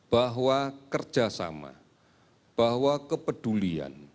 bahwa kerjasama bahwa kepedulian